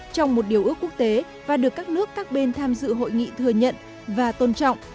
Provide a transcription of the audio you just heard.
trong một điều ước quốc tế và được các nước các bên tham dự hội nghị thừa nhận và tôn trọng